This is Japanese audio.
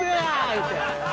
言うて。